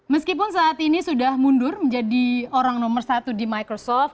meskipun saat ini sudah mundur menjadi orang nomor satu di microsoft